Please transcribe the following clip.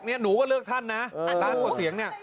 นี่หนูก็เลือกท่านนะล้านกว่าเสียงเนี่ย